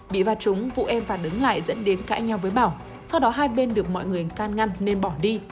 bị va trúng vũ em và đứng lại dẫn đến cãi nhau với bảo sau đó hai bên được mọi người can ngăn nên bỏ đi